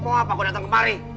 mau aku datang kemari